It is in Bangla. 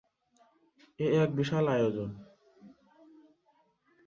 এ এক বিশাল আয়োজন।